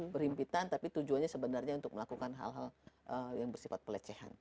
berhimpitan tapi tujuannya sebenarnya untuk melakukan hal hal yang bersifat pelecehan